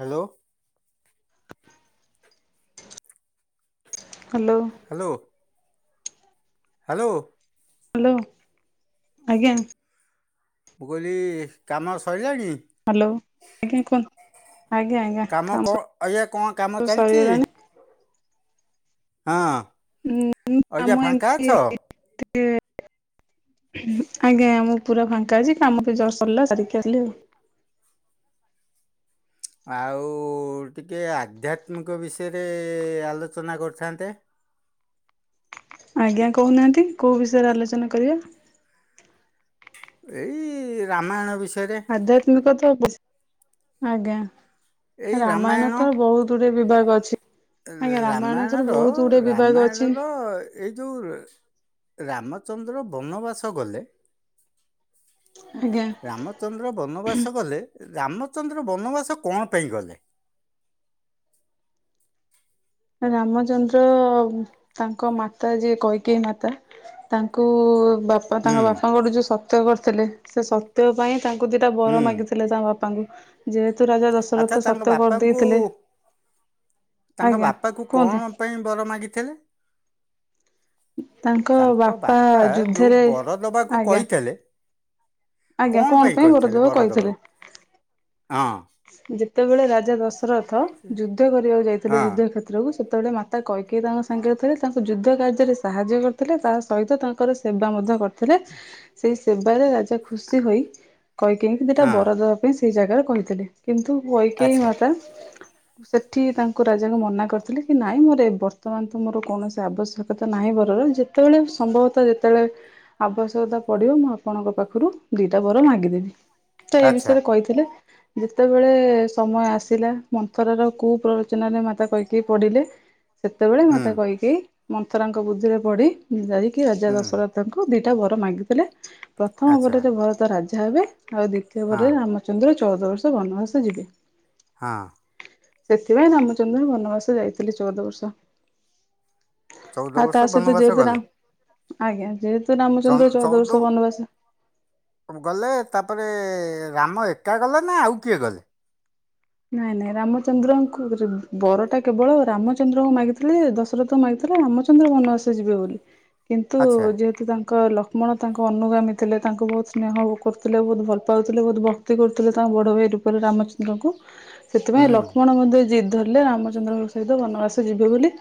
Hello. Hello. Hello. Hello. Hello ଆଜ୍ଞା। ମୁଁ କହିଲି କାମ ସଇଲାଣି? ହାଲୋ ଆଜ୍ଞା କୁହନ୍ତୁ ଆଜ୍ଞା ଆଜ୍ଞା କାମ କଣ ଆଜ୍ଞା କଣ କାମ ସବୁ ଚାଲିଛି? ସରିଗଲାଣି। ହଁ। ହଁ ଆଜ୍ଞା ଆମ ଫାଙ୍କା ଅଛ? ଏମତି [unintelligible] ହଁ ଆଜ୍ଞା ମୁଁ ପୁରା ଫାଙ୍କା ଅଛି କାମ ଜଷ୍ଟ୍ ସରିଲା ସାରିକି ଆସିଲି ଆଉ। ଆଉ ଟିକିଏ ଆଧ୍ୟାତ୍ମିକ ବିଷୟରେ ଆଲୋଚନା କରିଥାନ୍ତେ। ଆଜ୍ଞା କହୁନାହାନ୍ତି କୋଉ ବିଷୟରେ ଆଲୋଚନା କରିବା? ଏଇ ରାମାୟଣ ବିଷୟରେ। ଆଧ୍ୟାତ୍ମିକ ତ ଆଜ୍ଞା ରାମାୟଣ ତ ବହୁତ୍ ଗୁଡ଼ିଏ ବିଭାଗ ଅଛି। ଆଜ୍ଞା ରାମାୟଣ ତର ରାମାୟଣର ବହୁତ ଗୁଡେ ବିଭାଗ ଅଛି ରାମାୟଣର ଏଇ ଯୋଉ ରାମଚନ୍ଦ୍ର ବନବାସ ଗଲେ ଆଜ୍ଞା ରାମଚନ୍ଦ୍ର ବନବାସ ଗଲେ ରାମଚନ୍ଦ୍ର ବନବାସ କଣ ପାଇଁ ଗଲେ? ରାମଚନ୍ଦ୍ର ତାଙ୍କ ମାତା ଯିଏ କୈକେଇ ମାତା ତାଙ୍କୁ ବାପ୍ ତାପରେ ହୁଁ ତାଙ୍କ ବାପାଙ୍କଠୁ ଯୋଉ ସତ୍ୟ କରିଥିଲେ ସେ ସତ୍ୟ ପାଇଁ ତାଙ୍କୁ ଦିଇଟା ବର ହୁଁ ମାଗିଥିଲେ। ଥିଲେ ତାଙ୍କ ବାପାଙ୍କୁ। ଯେହେତୁ ରାଜା ଆଚ୍ଛା ଦଶରଥ ତାଙ୍କ ସତ୍ୟ ବାପାଙ୍କୁ କରିଦେଇଥିଲେ ତାଙ୍କ ଆଜ୍ଞା ବାପାକୁ କୁହନ୍ତୁ। କଣ ପାଇଁ ବର ମାଗିଥିଲେ? ତାଙ୍କ ବାପା ଯୋଉଁ ବରଦବାକୁ ଆଜ୍ଞା କହିଥିଲେ ଆଜ୍ଞା କଣ ପାଇଁ କହିଥିଲେ ବରଦୁଆ ବରଦ ବାବୁ କହିଥିଲେ। ହଁ ଯେତେବେଳେ ରାଜା ଦଶରଥ ଆଚ୍ଛା ଯୁଧ କରିବାକୁ ଯାଇଥିଲେ ଯୁଦ୍ଧ କ୍ଷେତ କୁ ସେତେବେଳେ ମାତା କୈକେଇ ତାଙ୍କ ସାଙ୍ଗରେ ଥିଲେ ତାଙ୍କୁ ଯୁଦ୍ଧ କାର୍ଯ୍ୟରେ ସାହାଯ୍ୟ କରିଥିଲେ ତା ସହିତ ତାଙ୍କର ସେବା ମଧ୍ୟ କରିଥିଲେ ସେଇ ସେବାରେ ରାଜା ଖୁସି ହୋଇ କୈକେଇଁକି ଦୁଇଟା ହଁ ବର ଦେବା ପାଇଁ ସେଇ ଜାଗାରେ କହିଥିଲି କିନ୍ତୁ କଇକେଇ ମାତା ହଁ। ସେଠି ତାଙ୍କୁ ରାଜାଙ୍କୁ ମନା କରିଥିଲି କି ନାଇଁ ମୋର ବର୍ତ୍ତମାନ ତ ମୋର କୌଣସି ଆବଶ୍ୟକତା ନାହିଁ ବରର। ଯେ ସେତେବେଳେ ସମ୍ଭବତଃ ଯେତେବେଳେ ଆବଶ୍ୟକତା ପଡିବ ମୁଁ ଆପଣଙ୍କ ପାଖରୁ ଦିଟା ବର ମାଗିଦେବି। ତ ଏଇ ଆଚ୍ଛା ବିଷୟରେ କହିଥିଲେ। ଯେତେବେଳେ ସମୟ ଆସିଲା, ମନ୍ଥରାର କୁପ୍ରରୋଚନାରେ ମାତା କୈକେୟୀ ପଢଡ଼ିଲେ ହ ସେତେବେଳେ ମାତା କୈକେୟୀ ମନ୍ତରା ଙ୍କ ବୁଦ୍ଧିରେ ପଡି, ଯାଇକି ରାଜା ହୁଁ ଦଶହରଥ ତାଙ୍କୁ ଦିଟା ବର ମାଗିଥିଲେ। ପ୍ରଥମ ଆଚ୍ଛା ବରରେ ଭରତ ରାଜା ହେବେ। ଆଉ ଦ୍ଵିତୀୟ ହଁ ବରରେ ରାମ ଚନ୍ଦ୍ର ଚଉଦ ବର୍ଷ ବନବାସ ଯିବେ। ହଁ। ସେଥିପାଇଁ ରାମଚନ୍ଦ୍ର ବନବାସ ଯାଇଥିଲେ ଚଉଦ ବର୍ଷ। ଚଉଦ ଆଉ ବର୍ଷ ତା ସହିତ ବନବାସ ଗଲେ ଯେହେତୁରାମ ଆଜ୍ଞା। ଯେହେତ ଚ ଚଉଦ ଗଲେ, ତାପରେ ରାମ ଏକା ଗଲେ ନା ଆଉ କିଏ ଗଲେ? ନାଇଁ ନାଇଁ ରାମଚନ୍ଦ୍ରଙ୍କୁ ବରଟା କେବଳ ରାମଚନ୍ଦ୍ରଙ୍କୁ ମାଗିଥିଲେ ଦଶ ମାଗିଥିଲେ ରାମଚନ୍ଦ୍ର ବନବାସ ଯିବେ ବୋଲି। କିନ୍ତୁ ଆଚ୍ଛା ଯେହେତୁ ତାଙ୍କ ଆପଣ ତାଙ୍କ ଅନୁଗାମୀ ଥିଲେ, ତାଙ୍କୁ ବହୁତ ସ୍ନେହ କରୁଥିଲେ, ବହୁତ ଭଲ ପାଉଥିଲେ, ବହୁତ ଭକ୍ତି କରୁଥିଲେ ତାଙ୍କ ବଡ଼ ଭାଇ ରୂପ ପରେ ରାମଚନ୍ଦ୍ରଙ୍କୁ ସେଥିପାଇଁ ହୁଁ ଲକ୍ଷ୍ମଣ ମଧ୍ୟ ଜିଦ୍ ଧରିଲେ ରାମଚନ୍ଦ୍ରଙ୍କ ସହିତ ବନବାସ ଯିବେ ବୋଲି।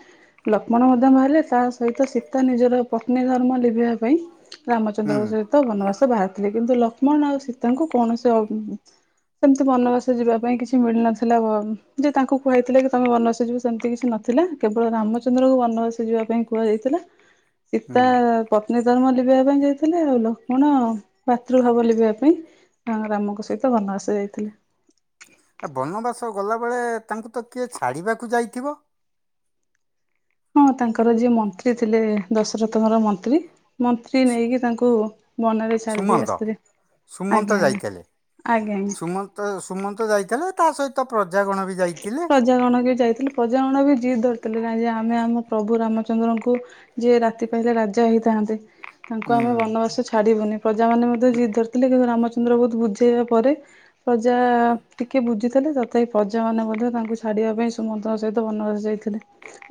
ଲକ୍ଷ୍ମଣ ମଧ୍ୟ ବାହାରିଲେ, ତା ସହିତ ସୀତା ନିଜର ପତ୍ନୀ ଧର୍ମ ଲିଭିବା ପାଇଁ ହୁଁ ରାମଚନ୍ଦ୍ରଙ୍କ ସହିତ ବନବାସ ବାହାରିଥିଲେ କିନ୍ତୁ ଲକ୍ଷ୍ମଣ ଆଉ ସୀତାଙ୍କୁ କୌଣସି ଅ ସେମିତି ବନବାସ ଯିବା ପାଇଁ କିଛି କି ମିଳି ନଥିଲା ଯେ ତାଙ୍କୁ କୁଆଇଥିଲେ କି ତମେ ବନବାସୀ ଯିବ ସେମିତି କିଛି ନଥିଲା। କେବଳ ରାମଚନ୍ଦ୍ର କ ବନବାସୀ ସେ ଯିବା ପାଇଁ କୁହାଯାଇଥିଲା। ହା ସୀତା ପତ୍ନୀ ଧର୍ମ ଲିଭିବା ପାଇଁ ଯାଇଥିଲେ ଆଉ ଲକ୍ଷ୍ମଣ ଭାତୃଭାବ ଲିଭିବା ପାଇଁ। ତାଙ୍କ ରାମଙ୍କ ସହିତ ବନବାସ ଯାଇଥିଲେ। ଏ ବନବାସ ଗଲାବେଳେ ତାଙ୍କୁ ତ କିଏ ଛାଡ଼ିବାକୁ ଯାଇଥିବ? ହଁ ତାଙ୍କର ଯିଏ ମନ୍ତ୍ରୀ ଥିଲେ ଦଶରଥଙ୍କର ମନ୍ତ୍ରୀ। ମନ୍ତ୍ରୀ ସୁ- ନେଇକି ତାଙ୍କୁ ବନାରେ ଛଡି ଦେଇ ସୁମନ୍ତ ଆସିଥିଲେ। ଆଜ୍ଞା ଆଜ୍ଞା। ଆଜ୍ଞା ଆଜ୍ଞା। ତ ସୁମନ୍ତ ଯାଇଥିଲେ ତା ସହିତ ପ୍ରଜାଗଣ ବି ଯାଇଥିଲେ। ପ୍ରଜାଗଣ କେ ଯାଇଥିଲେ। ପ୍ରଜାଗଣ ବି ଜିଦ୍ ଧରିଥିଲେ ନାଇଁ ଯେ ଆମେ ଆମ ପ୍ରଭୁ ରାମଚନ୍ଦ୍ରଙ୍କୁ ଯିଏ ରାତି ପାହିଲେ ରାଜା ହେଇଥାନ୍ତେ, ତାଙ୍କୁ ଆମେ ହୁଁ ବନବାସ ଛାଡ଼ିବୁନି। ପ୍ରଜାମାନେ ମଧ୍ୟ ଜି ଧରିଥିଲେ କିନ୍ତୁ ରାମଚନ୍ଦ୍ର ବୋଧ ବୁଝେଇବା ପରେ ପ୍ରଜା ଟିକେ ବୁଝିଥିଲେ ତଥାପି ପ୍ରଜାମାନେ ମଧ୍ୟ ତାଙ୍କୁ ଛାଡିବା ପାଇଁ ସୁମନ୍ତଙ୍କ ସହିତ ବନବାସ ଯାଇଥିଲେ।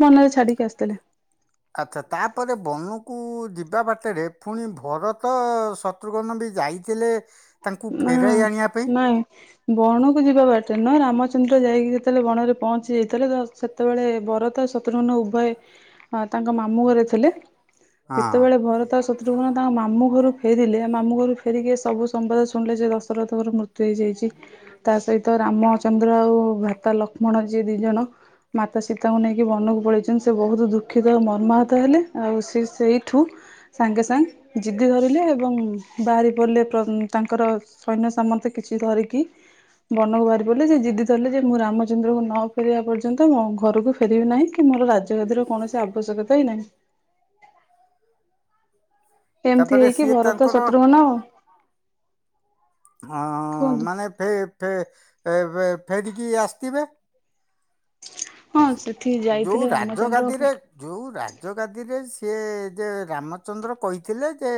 ବନରେ ଛାଡିକି ଆସିଥିଲେ। ଆଚ୍ଛା ତାପରେ ବନକୁ ଯିବା ବାଟରେ ପୁଣି ଭରତ ସତ ଶତ୍ରୁଘନ ବି ଯାଇଥିଲେ ତାଙ୍କୁ ନା ଫେରାଇ ଆଣିବା ପାଇଁ। [unintelligible] ବଣକୁ ଯିବା ବାଟରେ ନୁହଁ, ରାମଚନ୍ଦ୍ର ଯାଇକି ଯେତେବେଳେ ବଣରେ ପହଞ୍ଚି ଯାଇଥିଲେ ତ ସେତେବେଳେ ବରତ ଶତ୍ରୁଘ୍ନ ଉଭୟ ତାଙ୍କ ମାମୁଁ ଘରେ ଥିଲେ। ହଁ ଯେତେବେଳେ ଭରତ ଶତ୍ରୁଘ୍ନ ତାଙ୍କ ମାମୁ ଘରୁ ଫେରିଲେ, ମାମୁ ଘରୁ ଫେରିକି ସବୁ ସମ୍ବବାଦ ଶୁଣିଲେ ଯେ ଦଶରଥଙ୍କର ମୃତ୍ୟୁ ହେଇଯାଇଛି। ତା ସହିତ ରାମଚନ୍ଦ୍ର ଆଉ ଭାତା ଲକ୍ଷ୍ମଣ ଯିଏ ଦି ଜଣ ମାତା ସୀତାଙ୍କୁ ନେଇକି ବନକୁ ପଳେଇଛନ୍ତି। ସେ ବହୁତ ଦୁଃଖିତ ଆଉ ମର୍ମାହତ ହେଲେ, ଆଉ ସେ ସେଇଠୁ ସାଙ୍ଗେ ସାନ୍ଗ ଜିଦି ଧରିଲେ ଏବଂ ବାହାରି ପଡ଼ିଲେ ପ୍ର ତାଙ୍କର ସୈନ୍ୟ ସାମନ୍ତ କିଛି ଧରିକି। ବନକୁ ବାହାରି ପଡିଲେ ସେ ଜିଦି ଧରିଲେ ଯେ ମୁଁ ରାମଚନ୍ଦ୍ରକୁ ନ [unintelligible] ପର୍ଯ୍ୟନ୍ତ ମୋ ଘରୁକୁ ଫିରିବି ନାହିଁ, କି ମୋର ରାଜଗାଦିର କୌଣସି ଆବଶ୍ୟକତା ହି ନାହିଁ। ଏମ୍ତି ତାପରେ ହେଇକି ସିଏ ଭରତ ତାଙ୍କର ଶତ୍ରୁଘ୍ନ ହଁ କୁହନ୍ତୁ ମାନେ ଫେ-ଫେ-ଏ-ବେ ଫେରିକି ଆସିଥିବେ। ହଁ ସେଠିକି ଯୋଉ ଯାଇଥିଲେ ରାମଚନ୍ଦ୍ର ରାଜଗାଦିରେ ଯୋଉ ରାଜଗାଦିରେ ସିଏ ଯେ ରାମଚନ୍ଦ୍ର କହିଥିଲେ ଯେ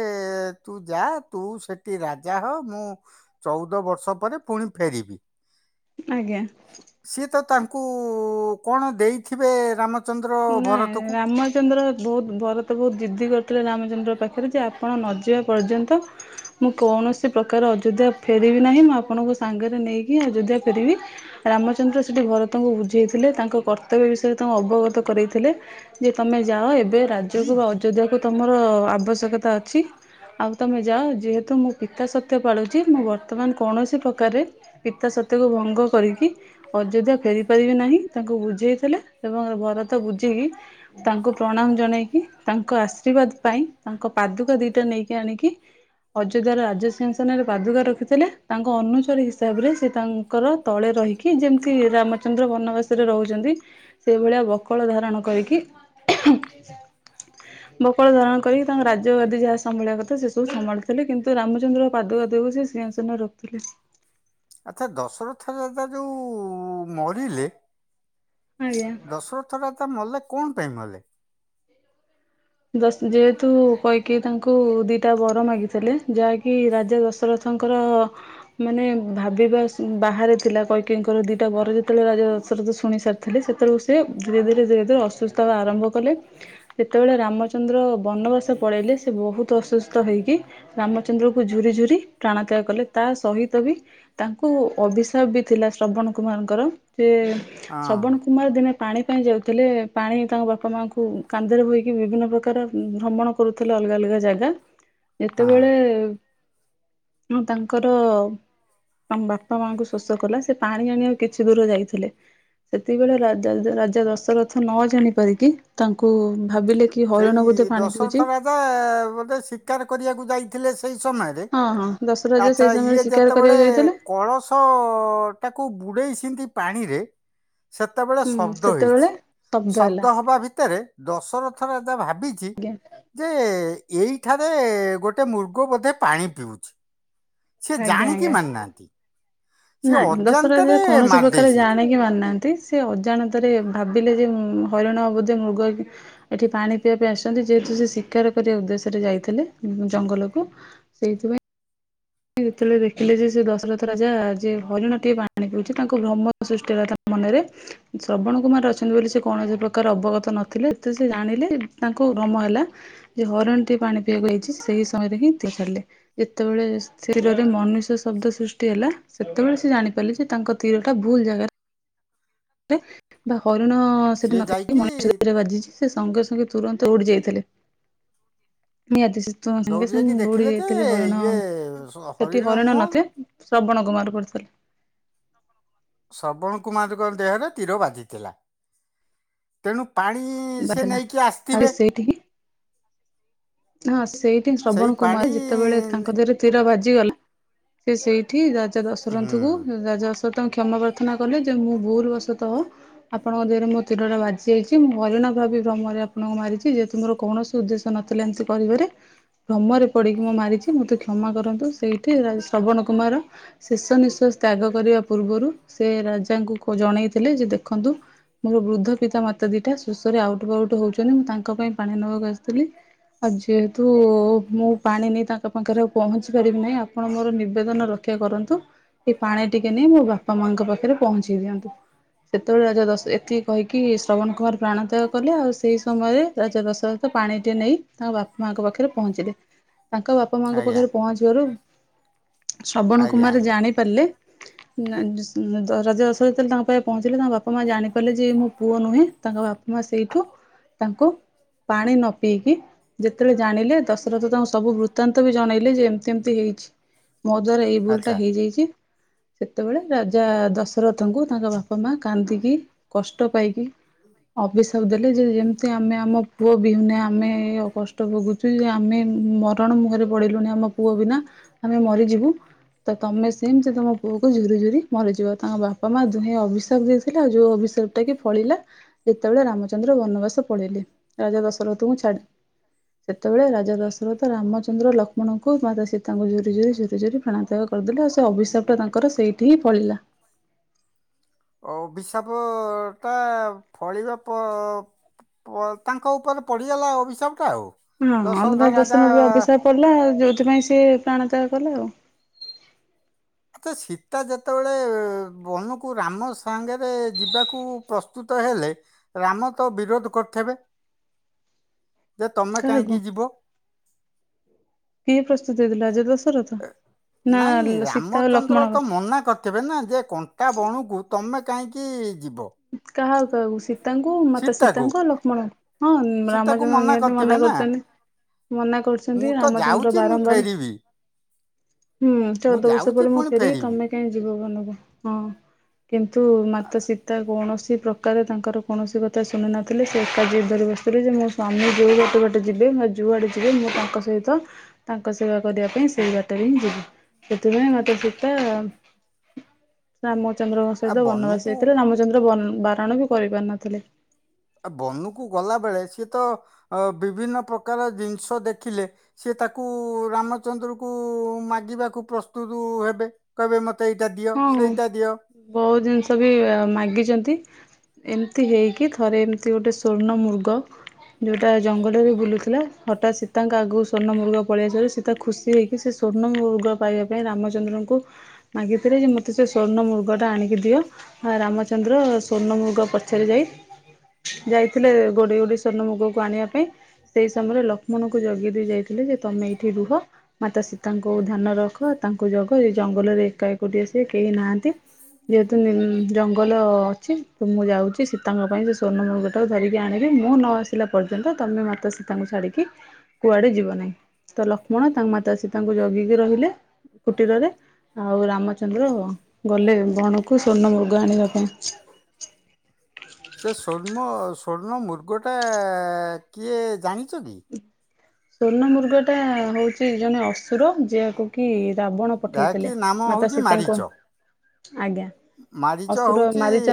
ତୁ ଯା ତୁ ସେଠି ରାଜା ହ, ମୁଁ ଚଉଦ ବର୍ଷ ପରେ ପୁଣି ଫେରିବି। ଆଜ୍ଞା। ସିଏ ତ ତାଙ୍କୁ କଣ ଦେଇଥିବେ ରାମଚନ୍ଦ୍ର ନାଇଁ ଭରତକୁ? ରାମଚନ୍ଦ୍ର ବହୁତ୍ ଭରତ କୁ ଜିଦ୍ଦି କରିଥିଲେ ରାମଚନ୍ଦ୍ର ପାଖେରେ ଯେ ଆପଣ ନ ଯିବା ପର୍ଯ୍ୟନ୍ତ ମୁଁ କୌଣସି ପ୍ରକାର ଅଯୋଧ୍ୟା ଫେରିବି ନାହିଁ, ମୁଁ ଆପଣଙ୍କୁ ସାଙ୍ଗେରେ ନେଇକି ଅଯୋଧ୍ୟା ଫେରିବି। ରାମଚନ୍ଦ୍ର ସେଠି ଭରତଙ୍କୁ ବୁଝେଇଥିଲେ, ତାଙ୍କ କର୍ତ୍ତବ୍ୟ ବିଷୟରେ ତାଙ୍କୁ ଅବଗତ କରେଇଥିଲେ। ଯେ ତମେ ଯାଅ ଏବେ ରାଜ୍ୟକୁ ବା ଅଯୋଧ୍ୟାକୁୁ ତମର ଆବଶ୍ୟକତା ଅଛି। ଆଉ ତମେ ଯାଅ ଯେହେତୁ ମୁଁ ପିତା ସତ୍ୟ ପାଳୁଚି, ମୁଁ ବର୍ତ୍ତମାନ୍ କୌଣସି ପ୍ରକାରେ ପିତା ସତ୍ୟକୁ ଭଙ୍ଗ କରିକି ଅଯୋଧ୍ୟା ଫେରି ପାରିବି ନାହିଁ, ତାଙ୍କୁ ବୁଝେଇଥିଲେ ଏବଂ ତ ବୁଝେଇିକି ତାଙ୍କୁ ପ୍ରଣାମ ଜଣେଇକି ତାଙ୍କ ଆଶୀର୍ବାଦ ପାଇଁ ତାଙ୍କ ପାଦୁକା ଦିଟା ନେଇକି ଆଣିକି ଅଯୋଧ୍ୟାର ରାଜ ସିଂହାସନାରେ ପାଦୁକା ରଖିଥିଲେ, ତାଙ୍କ ଅନୁଚର ହିସାବରେ ସେ ତା ଙ୍କର ତଳେ ରହିକି ଯେମ୍ତି ରାମଚନ୍ଦ୍ର ବନବାସରେ ରହୁଚନ୍ତି, ସେଇଭଳିଆ ବ ଧାରଣ କରିକି ଁ ବକଳ ଧାରଣ କରିକି ତାଙ୍କ ରାଜ୍ୟ ଗଦୀ ଯାହା ସମ୍ଭାଳିବା କଥା ସେ ସବୁ ସମ୍ଭାଳୁଥିଲେ, କିନ୍ତୁ ରାମଚନ୍ଦ୍ର [unintelligible] ସେ ସିଂହା ସନରେ ରଖିଥିଲେ। ଆଚ୍ଛା ଦଶରଥ ଯୋଉ ମରିଲେ, ଆଜ୍ଞା। ଦଶର ଥ ରାଜା ମଲେ କଣ ପାଇଁ ମଲେ? ଯେହେତୁ କୈକେୟୀ ତାଙ୍କୁ ଦିଟା ବର ମାଗିଥେଲେ ଯାହାକି ରାଜା ଦଶରଥ ଙ୍କର ମାନେ ଭାବିବା ବାହାରେ ଥିଲା କୈକେୟୀଙ୍କର ଦିଇଟା ବର ଯେ ତେଳେ ରାଜ ଶୁଣିସାରି ଥିଲେ ସେତବେଳକୁ ସିଏ ଧୀରେ-ଧୀରେ-ଧୀରେ-ଧୀରେ ଅସୁସ୍ଥ ହବା ଆରମ୍ଭ କଲେ, ଯେତବଳେ ରାମଚନ୍ଦ୍ର ବନବାସ ପଳେଇଲେ ସେ ବହୁତ୍ ଅସୁସ୍ଥ ହୋଇକି ରାମଚନ୍ଦ୍ର କ ଝୁରି-ଝୁରି ପ୍ରାଣତ୍ୟାଗ କଲେ, ତା ସହିତ ବି ତାଙ୍କୁ ଅଭିଶାପ ବି ଥିଲା ଶ୍ରବଣ କୁମାରଙ୍କର, ସେ ହଁ ଶବଣ କୁମାର ଦିନେ ପାଣି ପାଇଁ ଯାଉଥିଲେ, ପାଣି ତାଙ୍କ ବାପା ମାଙ୍କୁ କାନ୍ଧରେ ବୋହି କି ବିଭିନ୍ନ ପ୍ରକାର ଭ୍ରମଣ କରୁଥିଲେ, ଅଲଗା-ଅଲଗା ଜାଗା। ହଁ ଯେତେବେଳେ ତାଙ୍କର ତାଙ୍କ ବାପା ମାଙ୍କୁ ଶୋଷ କଲା, ସେ ପାଣି ଆଣିବାକୁ କିଛି ଦୂର ଯାଇଥିଲେ। ସେତିକିବଳେ ରାଜା-ରାଜା ଦଶରଥ ନ ଜାଣି ପାରିକି ତାଙ୍କୁ ଭାବିଲେ କି କି ହାରିଣ ବୋଧେ ପାଣି ପିଉଚି। ତ ବୋଧେ ଶିକାର କରିବାକୁ ଯାଇଥିଲେ ସେଇ ସମୟରେ। ହଁ ହଁ ଦଶରାଜା ଆଚ୍ଛା ସେଇ ସମୟରେ ଇଏ ଶିକାର ଯେତେବଳେ କରିବାକୁ ଯାଇଥିଲେ କଳସ ତ ତାକୁ ବୁଡ଼େଇ ଛିନ୍ତି ପାଣିରେ ସେତେବେଳେ ହୁଁ ଶବ୍ଦ ହେଇଛି, ସେତେବେଳେ ହେଲା ଶବ୍ଦ ହବା ଭିତରେ ଦଶର [unintelligible] ଭାବିଚି ଆଜ୍ଞା ଯେ ଏଇଠାରେ ଗୋଟେ ମୃଗ ବୋଧେ ପାଣି ପିଉଛି। ସେ ଆଜ୍ଞା ଜାଣିକି ଆଜ୍ଞା। ମାନି ନାହାଁନ୍ତି। ନାଇଁ ଦଶହରା ଅଜା କୌଣସି ପ୍ରକାର ଦେଇଛନ୍ତି ଜାଣି କି ମାରି ନାହା ନ୍ତି ସେ ଅଜାଣତରେ ଭାବିଲେ ଯେ ହରିଣ ବୋଧେ ମୃଗ ହେଇକି। ଏଠି ପାଣି ପିଇବା ପାଇଁ ଆସିଛନ୍ତି। ଯେହେତୁ ସେ ଶିକାର କରିବା ଉଦ୍ଦେଶ୍ୟରେ ଯାଇଥିଲେ ଜଙ୍ଗଲକୁ। ସେଇଥିପାଇଁ ଯେତେବେଳେ ଦେଖିଲେ ଯେ ସେ ଦଶରଥ ରାଜା ଯେ ହରିଣ ଟେ ପାଣି ପିଉଛି ତାଙ୍କୁ ଭ୍ରମ ସୃଷ୍ଟି ହେଲା ତାଙ୍କ ମନରେ। ଶ୍ରବଣ କୁମାର ଅଛନ୍ତି ବୋଲି ସେ କୌଣସି ପ୍ରକାର ଅବଗତ ନଥିଲେ। ଯେତେବେଳେ ଜାଣିଲେ ତାଙ୍କୁ ଭ୍ରମ ହେଲା ଯେ ହରିଣ ଟେ ପାଣି ପିଇବାକୁ ଆଇଛି ସେଇ ସମୟରେ ହିଁ ଠିକ କରିଲେ ଯେତେବେଳେ ସେ ତୀରରେ ମନୁଷ୍ୟ ଶବ୍ଦ ସୃଷ୍ଟି ହେଲା ସେତେବେଳେ ସେ ଜାଣିପାରିଲ ଯେ ତାଙ୍କ ତୀରଟା ଭୁଲ ଜାଗାରେ ବା ହରିଣ ସେଠି ସିଏ ନଥାଇ ଯାଇକି ମନୁଷ୍ୟ ଦେହରେ ବାଜିଛି। ସେ ସଙ୍ଗେ ସଙ୍ଗେ ତୁରନ୍ତ ଦୋଉଡି ଯାଇଥିଲେ। ନିହାତି ସେ ତ ସାଙ୍ଗେ ଦୌଡ଼ି ଯାଇକି ସାଙ୍ଗେ ଦୌଡ଼ି ଦେଖିଲେ ଯେ ଯାଇଥିଲେ ହରିଣ ଇଏ ସ- ସେଠି ହରିଣ ନୁହଁ ନଥିଲା। ଶ୍ରବଣ କୁମାର ପଡିଥିଲେ। ଶ୍ରବଣ କୁମାରଙ୍କ ଦେହରେ ତୀର ବାଜିଥିଲା। ତେଣୁ ପାଣି ସିଏ ବାଥିଲା ନେଇକି ଆସିଥିବେ? ଆରେ ସେଇଠିକି ହଁ ସେଇଠି ସେଇ ଶ୍ରବଣ ପାଣି କୁମାର ଯେତେବେଳେ ତାଙ୍କ ଦେହରେ ତୀର ବାଜିଗଲା ସେ ସେଇଠି ରାଜା ଦଶରଥଙ୍କୁ ହୁଁ। ରାଜା ତ ତାଙ୍କୁ କ୍ଷମା ପ୍ରାର୍ଥନା କଲେ ଯେ ମୁଁ ଭୁଲ ବଶତଃ ଆପଣଙ୍କ ଦେହରେ ମୋ ତୀରଟା ବାଜି ଯାଇଛି। ମୁଁ ହରିଣ ଭାବି ଭ୍ରମରେ ଆପଣଙ୍କୁ ମାରିଛି। ଯେହେତୁ ମୋର କୌଣସି ଉଦ୍ଦେଶ୍ୟ ନଥିଲା ଏମିତି କରିବାରେ। ଭ୍ରମରେ ପଡ଼ିକି ମୁଁ ମାରିଛି। ମୋତେ କ୍ଷମା କରନ୍ତୁ। ସେଇଠି ଶ୍ରବଣ କୁମାର ଶେଷ ନିଶ୍ୱାସ ତ୍ୟାଗ କରିବା ପୂର୍ବରୁ ସେ ରାଜାଙ୍କୁ ଜଣେଇଥିଲେ। ଯେ ଦେଖନ୍ତୁ ମୋର ବୃଦ୍ଧ ପିତା ମାତା ଦିଟା ଶୋଷରେ ଆଉଟ୍ ପାଉଟ୍ ହଉଛନ୍ତି। ମୁଁ ତାଙ୍କ ପାଇଁ ପାଣି ନେବାକୁ ଆସିଥିଲି। ଆଉ ଯେହେତୁ ମୁଁ ପାଣି ନେଇ ତାଙ୍କ ପାଖରେ ଆଉ ପହଞ୍ଚି ପାରିବି ନାହିଁ। ଆପଣ ମୋର ନିବେଦନ ରଖ ରକ୍ଷା କରନ୍ତୁ। ଏ ପାଣି ଟିକେ ନେଇ ମୋ ବାପା ମାଙ୍କ ପାଖରେ ପହଞ୍ଚେଇ ଦିଅନ୍ତୁ। ସେତେବେଳେ ରାଜା ଦଶ ଏତିକି କହିକି ଶ୍ରବଣ କୁମାର ପ୍ରାଣତ୍ୟାଗ କଲେ। ଆଉ ସେହି ସମୟରେ ରାଜା ଦଶରଥ ତ ପାଣିଟିଏ ନେଇ ତାଙ୍କ ବାପା ମାଙ୍କ ପାଖରେ ପହଞ୍ଚିଲେ। ତାଙ୍କ ବାପା ମାଆଙ୍କ ଆଜ୍ଞା ପାଖରେ ପହଞ୍ଚିବାରୁ ଶ୍ରବଣ ଆଜ୍ଞା କୁମାର ଆଜ୍ଞା ଜାଣି ପାରିଲେ ତ ରାଜା ଦଶରଥ ଯେତେବେଳେ ତାଙ୍କ ପାଖେ ପହଞ୍ଚିଲେ ତାଙ୍କ ବାପା ମା ଜାଣିପାରିଲେ ଯେ ଇଏ ମୋ ପୁଅ ନୁହେଁ। ତାଙ୍କ ବାପା ମା ଆ- ସେଇଠୁ ତାଙ୍କୁ ପାଣି ନ ପିଇକି ଯେତେବେଳେ ଜାଣିଲେ ଦଶରଥ ତାଙ୍କୁ ସବୁ ବୃତ୍ତାନ୍ତ ବି ଜଣେଇଲେ ଯେ ଏମିତି ଏମିତି ହେଇଛି। ମୋ ଦ୍ଵାରା ଏଇ ଭୁଲ ଟା ଆଚ୍ଛା। ହେଇଯାଇଛି। ସେତେବେଳେ ରାଜା ଦଶରଥଙ୍କୁ ତାଙ୍କ ବାପା ମା କାନ୍ଦିକି କଷ୍ଟ ପାଇକି ଅଭିିଶାପ ଦେଲେ ଯେ ଯେମିତି ଆମେ ଆମ ପୁଅ ବିହୁନେ ଆମେ କଷ୍ଟ ଭୋଗୁଛୁ ଯେ ଆମେ ମରଣ ମୁହଁରେ ପଡିଲୁଣି ଆମ ପୁଅ ବିନା ଆମେ ମରିଯିବୁ। ତ ତମେ ସେମିତି ତମ ପୁଅକୁ ଝୁରି ଝୁରି ମରିଯିବ ତାଙ୍କ ବାପା ମା ଦୁହେଁ ଅଭିଶାପ ଦେଇଥିଲେ। ଆଉ ଯୋଉ ଅଭିଷାପ ଟା କି ଫଳିଲା ଯେତେବେଳେ ରାମଚନ୍ଦ୍ର ବନବାସ ପଳେଇଲେ ରାଜା ଦଶରଥଙ୍କୁ ଛାଡ଼ି। ସେତେବେଳେ ରାଜା ଦଶରଥ ରାମଚନ୍ଦ୍ର ଲକ୍ଷ୍ମଣଙ୍କୁ ମାତା ସୀତାଙ୍କୁ ଝୁରି, ଝୁରି, ଝୁରି, ଝୁରି ପ୍ରାଣତ୍ୟାଗ କରିଦେଲେ। ଆଉ ସେ ଅଭିଶାପ ଟା ତାଙ୍କର ସେଇଠି ହିଁ ଫଳିଲା। ଅଭିଶାପଟା ଫଳିବା ପ ତାଙ୍କ ଉପରେ ପଡ଼ିଗଲା ଅଭିିଶାପଟା ଆଉ। ହଁ ଦଶରଥ ଅନୁରାଗ ରାଜା ଦର୍ଶନ ବି ଅଭିିଷାପ ପଡ଼ିଲା। ଆଉ ଯୋଉଥିପାଇଁ ସିଏ ପ୍ରାଣତ୍ୟାଗ କଲେ ଆଉ। ଆଚ୍ଛା ସୀତା ଯେତେବେଳେ ବନକୁ ରାମ ସାଙ୍ଗରେ ଯିବାକୁ ପ୍ରସ୍ତୁତ ହେଲେ ରାମ ତ ବିରୋଧ କରିଥିବେ? ଯେ ତମେ କାହାକୁ କାହିଁକି ଯିବ। କିଏ ପ୍ରସ୍ତୁତ ହେଇଥିଲା ରାଜା ଦଶରଥ ନା ନାଇଁ ସୀତା ଆଉ ରାମଚନ୍ଦ୍ର ଲକ୍ଷ୍ମଣ କ ତ ମନା କରିଥିବେ ନା ଯେ କଣ୍ଟା ବଣକୁ ତମେ କାହିଁକି ଯିବ? କାହା କାହାକୁ ଶୀ ତାଙ୍କୁ ମାତା ସୀତାକୁ ସୀତାଙ୍କୁ ଆଉ ଲକ୍ଷ୍ମଣଙ୍କୁ ହଁ ସୀତାକୁ ରାମଚନ୍ଦ୍ର ନିହାତି କରିଥିବେ ମନା ନା କରିଛନ୍ତି। ମନା କରୁଛନ୍ତି ମୁଁ ତ ରାମଚନ୍ଦ୍ର ଯାଉଛି ମୁଁ ବାରମ୍ବାର। ଫେରିବି ହୁଁ ଚଉଦ ମୁଁ ବର୍ଷ ଯାଉଛି ପରେ ମୁଁ ପୁଣି ଫେରିବି ତମେ ହେଇ ଯିବ ଭଲରେ ହଁ କିନ୍ତୁ ମାତା ଶୀ କୌଣସି ପ୍ରକାର ତାଙ୍କର କୌଣସି କଥା ଶୁଣିନଥିଲି ସେ ଏକା ଜିଦ ଧରି ବସିଥିଲେ ଯେ ମୁଁ ସ୍ୱାମୀ ଯେଉଁ ବାଟେ ବାଟେ ଯିବେ ଯିବେ ମ ଯଉଁଆଡ଼େ ଯିବେ ମୁଁ ତାଙ୍କ ସହିତ ତାଙ୍କ ସେବା କରିବା ପାଇଁ ସେଇ ବାଟରେ ହିଁ ଯିବେ ସେଥିପାଇଁ ମାତା ସୀତା ରାମଚନ୍ଦ୍ରଙ୍କ ଆଉ ସହିତ ବନବାସ ବନକୁ ଯାଇଥିଲେ ରାମଚନ୍ଦ୍ର ବର ବାରଣ ବି କରିପାରୁ ନଥିଲେ। ଅ ବନୁକୁ ଗଲା ବେଳେ ସିଏ ତ ଅ ବିଭିନ୍ନ ପ୍ରକାର ଜିନିଷ ଦେଖିଲେ? ସେ ତାକୁ ରାମଚନ୍ଦ୍ରଙ୍କୁ ମାଗିବାକୁ ପ୍ରସ୍ତୁତ ହେବେ କହିବେ ମ ଏଇଟା ଦିଅ ହଁ। ସେଇଟା ଦିଅ। ବହୁତ ଜିନିଷ ବି ମାଗିଛନ୍ତି। ଏମିତି ହେଇକି ଥରେ ଏମିତି ଗୋଟେ ସ୍ଵର୍ଣ୍ଣ ମୃଗ ହେଟା ଜଙ୍ଗଲରେ ବୁଲୁଥିଲା ହଠାତ୍ ସୀତାଙ୍କ ଆଗକୁ ସର୍ଣ୍ଣ ମୃଗ ପଳେଇଆସିଥିଲା ସୀତା ଖୁସି ହେଇକି ସେ ସର୍ଣ୍ଣ ମୃଗ ପାଇବା ପାଇଁ ରାମଚନ୍ଦ୍ରଙ୍କୁ ମାଗି ସେଟା ମୋତେ ସେ ସ୍ଵର୍ଣ ମୃଗଟା ଆଣିକି ଦିଅ। ହଁ ରାମଚନ୍ଦ୍ର ସ୍ୱର୍ଣମୃଗ ପଛରେ ଯାଇ ଯାଇଥିଲେ ଗୋଡେଇ ଗୋଡେଇ ସର୍ଣ୍ଣ ମୃଗକୁ ଆଣିବା ପାଇଁ ସେଇ ସମୟରେ ଲକ୍ଷ୍ମଣଙ୍କୁ ଜଗି ଯାଇଥିଲେ ଯେ ତମେ ଏଇଠି ରୁହ ମାତା ସୀତାଙ୍କୁ ଧ୍ୟାନ ରଖ ତାଙ୍କୁ ଜଗ ଜଙ୍ଗଲରେ ଏକା ଏକୁଟିଆ ସିଏ କେହି ନାହାନ୍ତି ଯେହେତୁ ଜଙ୍ଗଲ ତ ଅଛି ତ ମୁଁ ଯାଉଛି। ସେ ସୀତାଙ୍କ ପାଇଁ ସେ ସ୍ଵର୍ଣ୍ଣ ମୃଗ ଟାକୁ ଧରିକି ଆଣିବି ମୁଁ ନ ଆସିଲା ପର୍ଯ୍ୟନ୍ତ ତମେ ମାତା ସୀତାଙ୍କୁ ଛାଡିକି କୁଆଡେ ଯିବ ନାହିଁ ତ ଲକ୍ ମଣ ତାଙ୍କ ମାତା ସୀତାଙ୍କୁ ଜଗିକି ରହିଲେ କୁଟୀରରେ ଆଉ ରାମ ଚନ୍ଦ୍ର ଗଲେ ବଣକୁ ସ୍ଵର୍ଣ୍ଣ ମୃଗ ଆଣିବା ପାଇଁ। ସେ ସ୍ଵର୍ଣ୍ଣ ସ୍ବର୍ଣ୍ଣ ମୃଗଟା କିଏ ଜାଣିଛ କି? ସର୍ଣ୍ଣ ମୃଗା ଟା ହଉଛି ଜଣେ ଅସୁର ଯିହାକୁ କି ରାବଣ ପଠେଇଥିଲେ ଯାହାକି ନାମ ମାତା ହେଉଛି ସୀତାଙ୍କୁ ମାରିଚ ଆଜ୍ଞା ମାରିଚ ଅସୁର ହେଉଛି ମାରିଚ